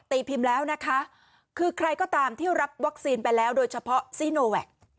พิมพ์แล้วนะคะคือใครก็ตามที่รับวัคซีนไปแล้วโดยเฉพาะซีโนแวค